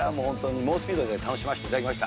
猛スピードで楽しませていただきました。